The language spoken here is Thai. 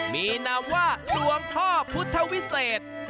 มีนามว่าหลวงพ่อพุทธวิเศษ